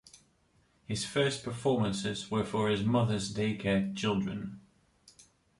His first performances were for his mother's daycare children.